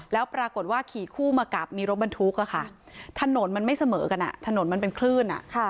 แล้วปรากฏว่าขี่คู่มากับมีรถบรรทุกถนนมันไม่เสมอกันถนนมันเป็นคลื่น